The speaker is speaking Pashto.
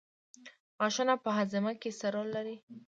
غاښونه په هاضمه کې څه رول لري